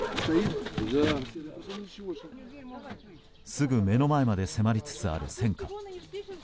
すぐ目の前まで迫りつつある戦火。